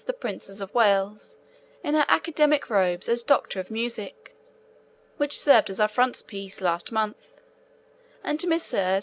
the Princess of Wales in her Academic Robes as Doctor of Music, which served as our frontispiece last month, and to Messrs.